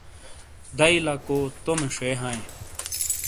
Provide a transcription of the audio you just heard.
دئیی لکو تومے ݜے ہائیں۔